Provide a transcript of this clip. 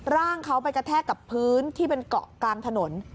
ร่างเขาไปกระแทกกับพื้นที่เป็นเกาะกลางถนน